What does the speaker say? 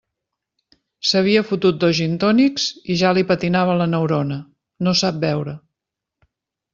S'havia fotut dos gintònics i ja li patinava la neurona; no sap beure.